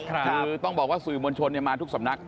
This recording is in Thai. คือต้องบอกว่าสื่อมวลชนมาทุกสำนัก